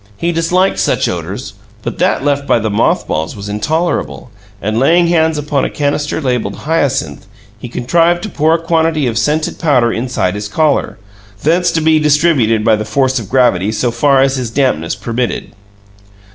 He disliked such odors, but that left by the moth balls was intolerable, and, laying hands upon a canister labeled "Hyacinth," he contrived to pour a quantity of scented powder inside his collar, thence to be distributed by the force of gravity so far as his dampness permitted.